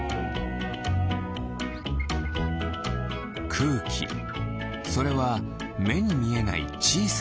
くうきそれはめにみえないちいさなぶんし。